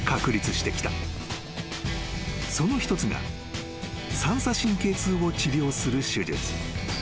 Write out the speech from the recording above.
［その一つが三叉神経痛を治療する手術］